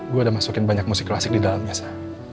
gue udah masukin banyak musik klasik di dalamnya saya